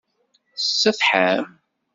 Tsetḥam?